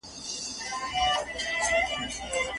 آيا د پخوانيو خلګو زغم د ژوند قصابي وه؟